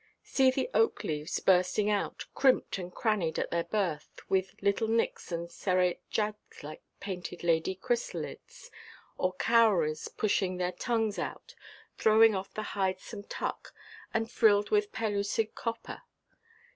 See the oak–leaves bursting out, crimped and crannied at their birth, with little nicks and serrate jags like "painted lady" chrysalids, or cowries pushing their tongues out, throwing off the hidesome tuck, and frilled with pellucid copper.